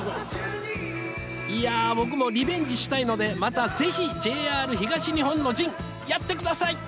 いや僕もリベンジしたいのでまたぜひ「ＪＲ東日本の陣」やって下さい！